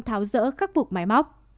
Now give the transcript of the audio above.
tháo rỡ khắc phục máy móc